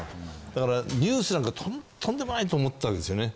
だからニュースなんかとんでもないと思ったわけですよね。